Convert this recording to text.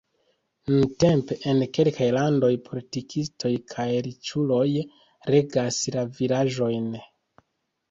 Nuntempe en kelkaj landoj politikistoj kaj riĉuloj regas la vilaĝojn.